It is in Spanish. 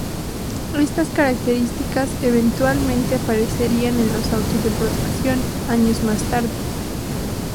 Estas características eventualmente aparecerían en los autos de producción, años más tarde.